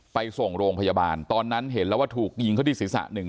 ไปส่งโรงพยาบาลตอนนั้นเห็นแล้วว่าถูกยิงเขาที่ศีรษะหนึ่ง